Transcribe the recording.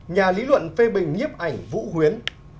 nhà lý luận phê bình nhếp ảnh vũ huyến